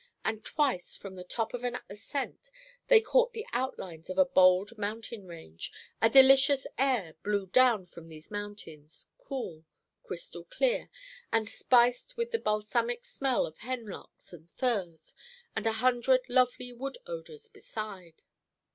And twice from the top of an ascent they caught the outlines of a bold mountain range. A delicious air blew down from these mountains, cool, crystal clear, and spiced with the balsamic smell of hemlocks and firs and a hundred lovely wood odors beside.